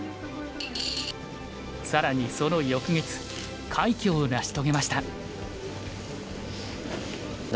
更にその翌月快挙を成し遂げました。